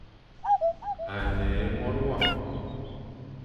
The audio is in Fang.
A ne é Mone wam.